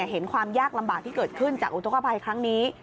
ความยากลำบากที่เกิดขึ้นจากอุทธกภัยครั้งนี้